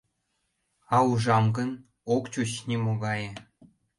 А ужам гын, ок чуч нимогае.